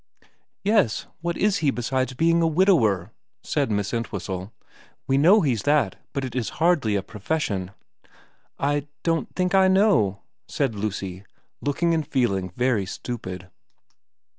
* Yes. What is he besides being a widower ?' said Miss Entwhistle. ' We know he's that, but it is hardly a profession.' ' I don't think I know/ said Lucy, looking and feeling very stupid.